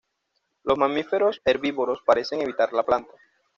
Los mamíferos herbívoros parecen evitar la planta.